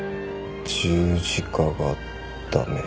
十字架がダメ。